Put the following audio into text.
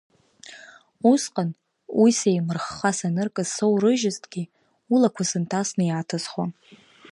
Усҟан, уи сеимырхха саныркыз соурыжьызҭгьы, улақәа сынҭасны иааҭысхуан…